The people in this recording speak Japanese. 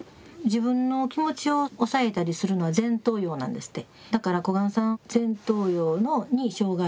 自分の気持ちを抑えたりするのは前頭葉なんですって。